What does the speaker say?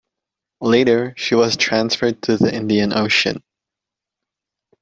Later, she was transferred to the Indian Ocean.